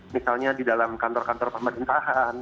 misalnya di dalam kantor kantor pemerintahan